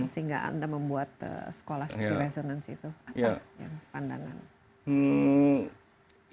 sehingga anda membuat sekolah safety resonance itu apa pandangan